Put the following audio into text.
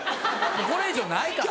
これ以上ないから。